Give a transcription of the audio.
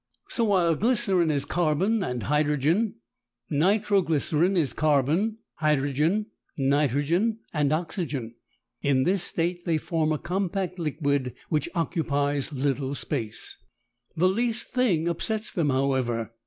So while glycerine is carbon and hydrogen, nitro glycerine is carbon, hydrogen, nitrogen and oxygen. In this state they form a compact liquid, which occupies little space. The least thing upsets them, however.